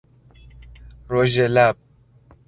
روژلب